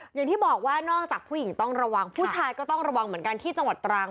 อย่างที่บอกว่านอกจากผู้หญิงต้องระวังผู้ชายก็ต้องระวังเหมือนกันที่จังหวัดตรัง